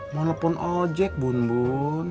melpon ojek bun bun